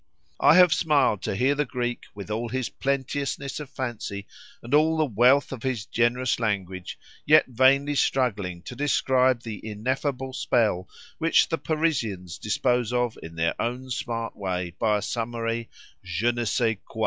I have smiled to hear the Greek, with all his plenteousness of fancy, and all the wealth of his generous language, yet vainly struggling to describe the ineffable spell which the Parisians dispose of in their own smart way by a summary "Je ne sçai quoi."